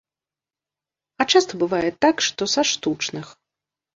А часта бывае так, што са штучных.